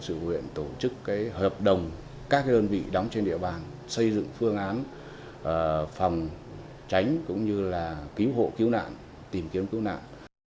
công sự huyện tổ chức hợp đồng các đơn vị đóng trên địa bàn xây dựng phương án phòng tránh cũng như là cứu hộ cứu nạn tìm kiếm cứu nạn